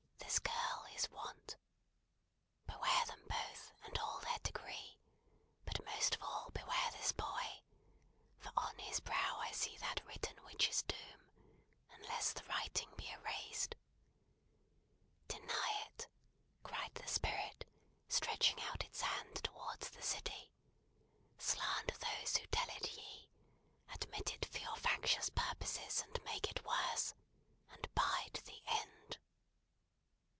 This girl is Want. Beware them both, and all of their degree, but most of all beware this boy, for on his brow I see that written which is Doom, unless the writing be erased. Deny it!" cried the Spirit, stretching out its hand towards the city. "Slander those who tell it ye! Admit it for your factious purposes, and make it worse. And bide the end!"